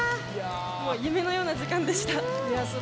夢のような時間でした。